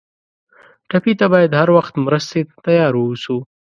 ټپي ته باید هر وخت مرستې ته تیار ووسو.